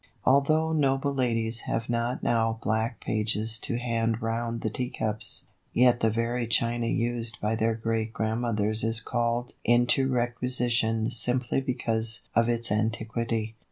Although noble ladies have not now black pages to hand round the tea cups, yet the very china used by their great grandmothers is called into requisition simply because of its antiquity.